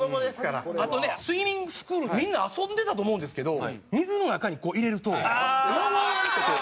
あとねスイミングスクールみんな遊んでたと思うんですけど水の中にこう入れるとウワワンってこう。